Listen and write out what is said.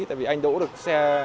tại vì anh đỗ được xe